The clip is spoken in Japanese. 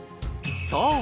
そう！